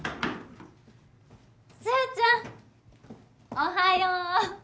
おはよう。